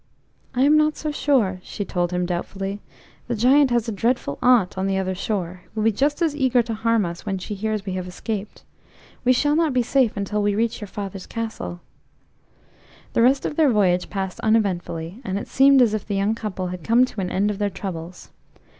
"I am not so sure," she told him doubtfully. "The Giant has a dreadful aunt on the other shore, who will be just as eager to harm us when she hears we have escaped. We shall not be safe until we reach your father's castle." The rest of their voyage passed uneventfully, and it seemed as if the young couple had come to an end of their troubles.